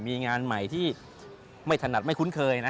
มีงานใหม่ที่ไม่ถนัดไม่คุ้นเคยนะ